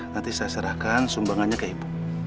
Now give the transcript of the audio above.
nanti saya serahkan sumbangannya ke ibu